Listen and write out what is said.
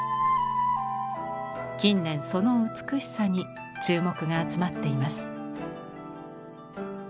近年その美しさに注目が集まっています。